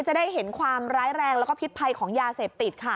จะได้เห็นความร้ายแรงแล้วก็พิษภัยของยาเสพติดค่ะ